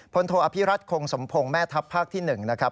โทอภิรัตคงสมพงศ์แม่ทัพภาคที่๑นะครับ